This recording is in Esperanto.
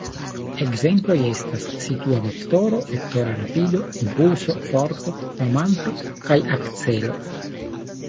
Ekzemploj estas situa vektoro, vektora rapido, impulso, forto, momanto kaj akcelo.